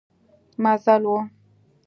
مزل و.